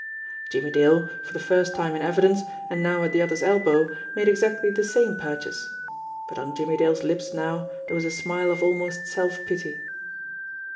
Jimmie Dale, for the first time in evidence, and now at the other's elbow, made exactly the same purchase but on Jimmie Dale's lips now there was a smile of almost self pity.